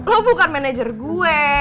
lo bukan manajer gue